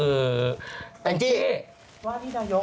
แอ้แอ้จี้เช่เว่ว่าที่นายก